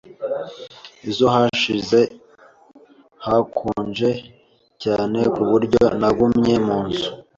Ejo hashize hakonje cyane ku buryo nagumye mu nzu.